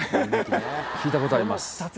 聞いたことあります。